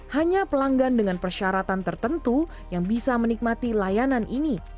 hanya pelanggan dengan persyaratan tertentu yang bisa menikmati layanan ini